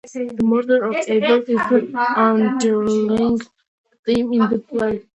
The murder of Abel is an underlying theme in the play.